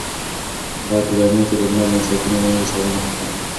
باید په ګرمۍ کې د لمر له مستقیمو وړانګو څخه ځان وساتو.